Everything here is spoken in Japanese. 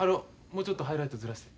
もうちょっとハイライトずらして。